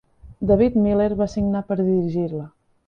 David Miller va signar per dirigir-la.